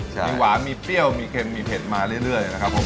มีหวานมีเปรี้ยวมีเค็มมีเผ็ดมาเรื่อยนะครับผม